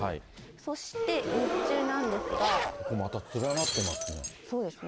そして、ここ、また連なってますね。